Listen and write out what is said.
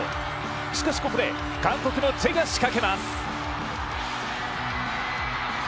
しかしここで韓国のチェが仕掛けます。